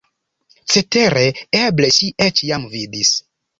Cetere, eble ŝi eĉ jam vidis!